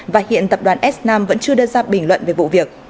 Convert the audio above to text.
và hiện tập đoàn s nam vẫn chưa đưa ra bình luận về vụ việc